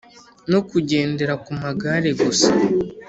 no kugendera ku magare gusa.